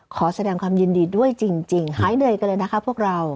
ขอแสดงความยินดีด้วยจริงหายเหนื่อยกันเลยนะคะพวกเรา